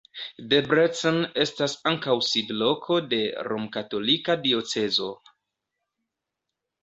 Debrecen estas ankaŭ sidloko de romkatolika diocezo.